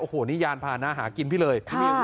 โอ้โหนี่ยานพานะหากินพี่เลย